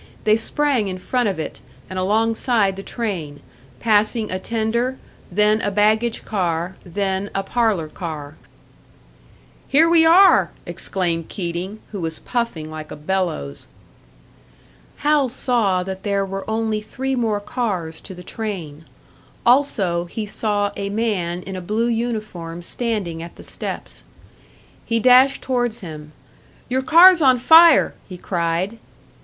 They sprang in front of it, and alongside the train, passing a tender, then a baggage car, then a parlour car. "Here we are!" exclaimed Keating, who was puffing like a bellows. Hal saw that there were only three more cars to the train; also, he saw a man in a blue uniform standing at the steps. He dashed towards him. "Your car's on fire!" he cried.